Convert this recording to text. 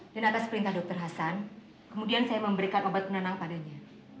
dan atas perintah dokter hasan kemudian saya memberikan obat penenang padanya